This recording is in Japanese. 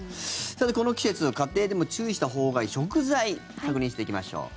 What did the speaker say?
この季節、家庭でも注意したほうがいい食材確認していきましょう。